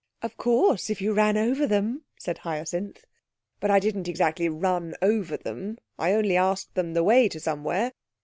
'Of course, if you ran over them!' said Hyacinth. 'But I didn't exactly run over them; I only asked them the way to somewhere.